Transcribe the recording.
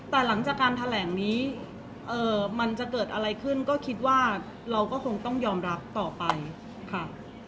แต่หลังจากการแถลงนี้มันจะเกิดอะไรขึ้นก็คิดว่าเราก็คงต้องยอมรับต่อไปค่ะ